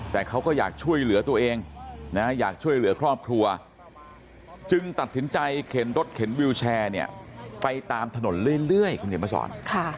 แต่เขาก็อยากช่วยเหลือตัวเองนะอยากช่วยเหลือครอบครัวจึงตัดสินใจเข็นรถเข็นวิวแชร์เนี่ยไปตามถนนเรื่อยคุณเขียนมาสอน